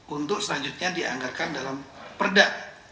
untuk selanjutnya dianggarkan dalam perda